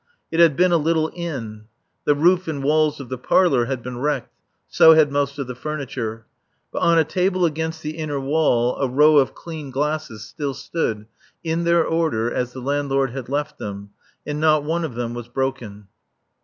It had been a little inn. The roof and walls of the parlour had been wrecked, so had most of the furniture. But on a table against the inner wall a row of clean glasses still stood in their order as the landlord had left them; and not one of them was broken.